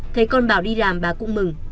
thấy con bảo đi làm bà cũng mừng